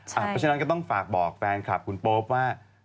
เพราะฉะนั้นก็ต้องฝากบอกแฟนคลับคุณโป๊ปว่า